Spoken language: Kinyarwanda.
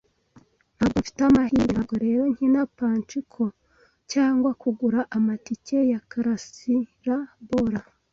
Ntabwo mfite amahirwe, ntabwo rero nkina pachinko cyangwa kugura amatike ya karasirabola.